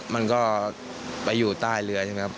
มันก็ไปอยู่ใต้เรือนะครับ